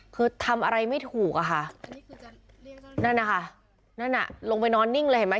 คือทำอะไรไม่ถูกอะค่ะนั่นนะคะนั่นอ่ะลงไปนอนนิ่งเลยเห็นไหม